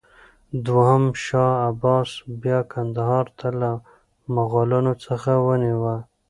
دوهم شاه عباس بیا کندهار له مغلانو څخه ونیوه.